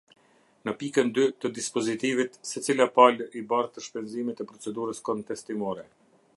Në pikën dy të dispozitivit, secila palë i bartë shpenzimet e procedurës kontestimore.